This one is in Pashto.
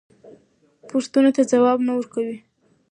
پوښتنو ته ځواب نه ورکوي.